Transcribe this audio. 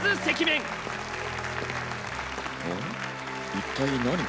一体何が？